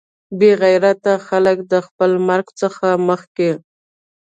بې غیرته خلک د خپل مرګ څخه مخکې.